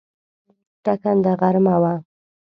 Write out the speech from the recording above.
ټاکنده غرمه وه.